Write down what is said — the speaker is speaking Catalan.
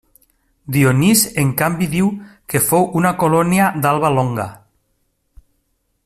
Dionís en canvi diu que fou una colònia d'Alba Longa.